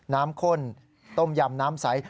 ข้นต้มยำน้ำใส